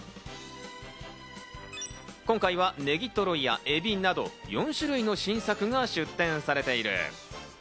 今回はネギトロやエビなど、４種類の新作が出展されている。